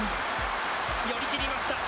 寄り切りました。